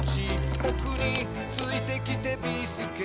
「ぼくについてきてビーすけ」